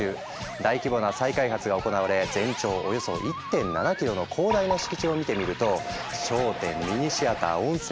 大規模な再開発が行われ全長およそ１．７キロの広大な敷地を見てみるとさまざま。